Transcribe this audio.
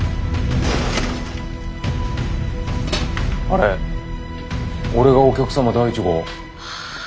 あれ俺がお客様第１号？